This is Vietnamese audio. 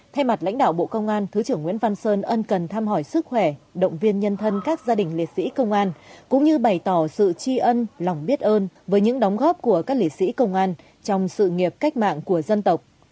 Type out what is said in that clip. thay mặt lãnh đạo bộ công an thứ trưởng nguyễn văn sơn ân cần thăm hỏi sức khỏe động viên nhân thân các gia đình liệt sĩ công an cũng như bày tỏ sự tri ân lòng biết ơn với những đóng góp của các liệt sĩ công an trong sự nghiệp cách mạng của dân tộc